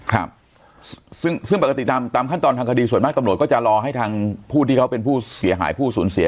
ครับซึ่งซึ่งปกติตามตามขั้นตอนทางคดีส่วนมากตำรวจก็จะรอให้ทางผู้ที่เขาเป็นผู้เสียหายผู้สูญเสีย